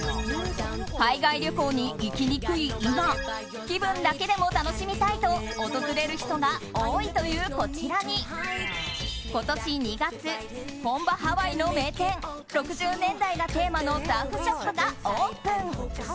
海外旅行に行きにくい今気分だけでも楽しみたいと訪れる人が多いというこちらに今年２月、本場ハワイの名店６０年代がテーマのサーフショップがオープン。